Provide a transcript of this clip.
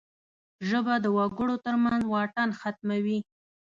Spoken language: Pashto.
ژبه د خلکو ترمنځ واټن ختموي